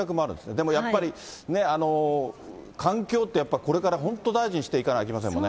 でもやっぱり、環境ってやっぱり、これから本当大事にしていかなあきませんもんね。